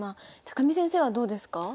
見先生はどうですか？